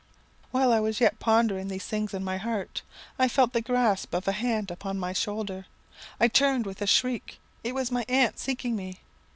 "While I was yet pondering these things in my heart, I felt the grasp of a hand upon my shoulder. I turned with a shriek; it was my aunt seeking me.